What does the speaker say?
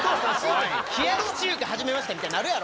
冷やし中華始めましたみたいになるやろ。